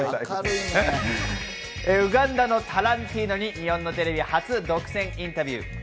ウガンダのタランティーノに日本のテレビ初独占インタビュー。